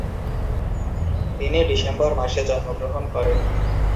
তিনি ডিসেম্বর মাসে জন্মগ্রহণ করেন।